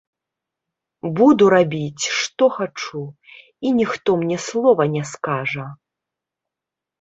Буду рабіць што хачу, і ніхто мне слова не скажа.